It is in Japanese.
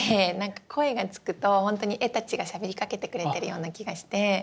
声がつくとほんとに絵たちがしゃべりかけてくれてるような気がして。